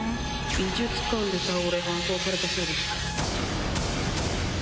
美術館で倒れ搬送されたそうです。